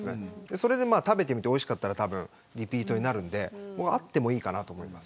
それで食べてみておいしかったらリピートになるんであってもいいかなと思います。